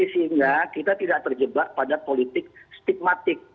sehingga kita tidak terjebak pada politik stigmatik